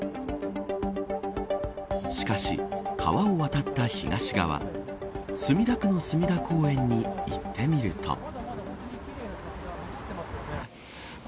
しかし、川を渡った東側墨田区の隅田公園に行ってみると。